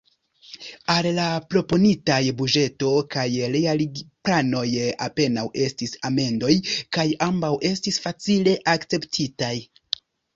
Al la proponitaj buĝeto kaj realigplanoj apenaŭ estis amendoj, kaj ambaŭ estis facile akceptitaj.